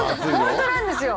本当なんですよ。